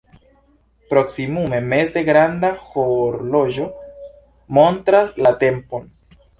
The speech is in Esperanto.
Proksimume meze granda horloĝo montras la tempon.